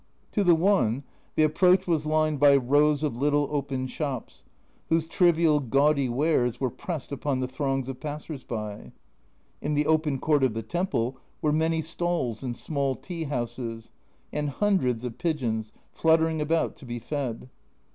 To the one, the approach was lined by rows of little open shops, whose trivial gaudy wares were pressed upon the throngs of passers by. In the open court of the temple were many stalls and small tea houses, and hundreds of pigeons fluttering about to be fed.